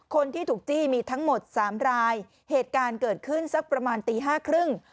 คนที่ถูกจี้มีทั้งหมดสามรายเหตุการณ์เกิดขึ้นสักประมาณตีห้าครึ่ง